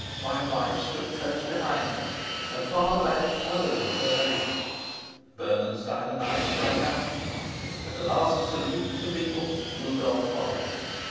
My wife stood close behind her, and farther back others of her ladies. Bernenstein and I sprang out. With a last salute to the people Rudolf followed us.